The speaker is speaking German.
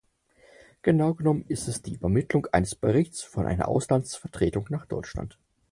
Genau genommen ist es die Übermittlung eines Berichtes von einer Auslandsvertretung nach Deutschland.